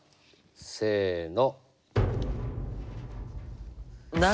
せの。